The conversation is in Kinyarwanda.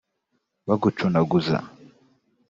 bagucunaguza